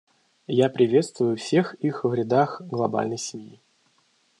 Я приветствую всех их в рядах глобальной семьи.